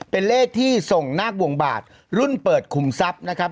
เป็นเลขที่ส่งนาควงบาทรุ่นเปิดคุมทรัพย์นะครับ